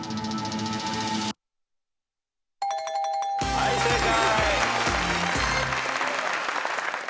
はい正解。